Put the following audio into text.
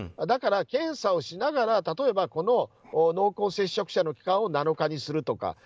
だから、検査をしながらこの濃厚接触者の期間を７日にするとか。